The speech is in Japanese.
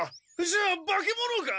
じゃあ化け物か？